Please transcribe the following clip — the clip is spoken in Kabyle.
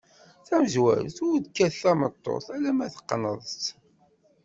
Tamezwarut: Ur kkat tameṭṭut alemma teqneḍ-tt.